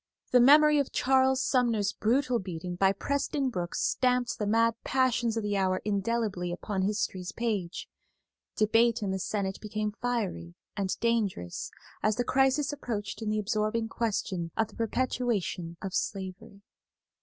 The memory of Charles Sumner's brutal beating by Preston Brooks stamped the mad passions of the hour indelibly upon history's page. Debate in the Senate became fiery and dangerous as the crisis approached in the absorbing question of the perpetuation of slavery.